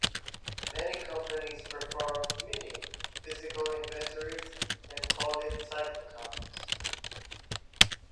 Many companies perform "mini" physical inventories and call it cycle counts.